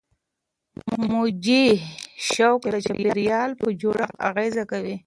موجي شوک د چاپیریال په جوړښت اغېزه کوي.